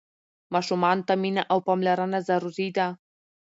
ماشومانو ته مينه او پاملرنه ضروري ده.